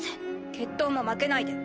決闘も負けないで。